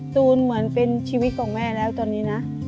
ตูนเหมือนเป็นชีวิตของแม่แล้วตอนนี้นะ